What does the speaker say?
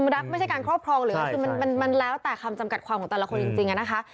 รักไม่ใช่การครอบครองหรือว่าคือมันแล้วแต่คำจำกัดความของแต่ละคนจริงอะนะคะ